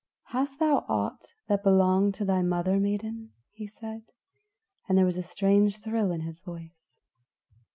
"Hast thou aught that belonged to thy mother, maiden?" he said, and there was a strange thrill in his voice.